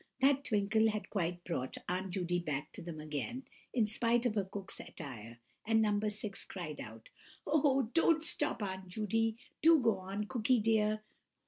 That twinkle had quite brought Aunt Judy back to them again, in spite of her cook's attire, and No. 6 cried out:— "Oh! don't stop, Aunt Judy! Do go on, Cooky dear!